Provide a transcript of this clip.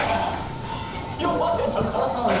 呼ばれたから来た！